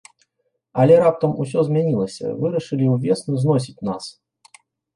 Але раптам усё змянілася, вырашылі ўвесну зносіць нас.